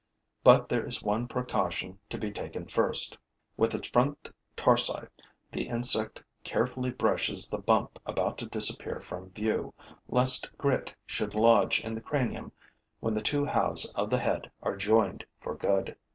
But there is one precaution to be taken first. With its front tarsi, the insect carefully brushes the bump about to disappear from view, lest grit should lodge in the cranium when the two halves of the head are joined for good.